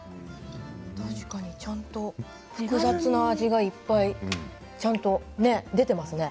確かにちゃんと複雑な味がいっぱいちゃんと出ていますね。